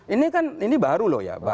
ini kan ini baru loh ya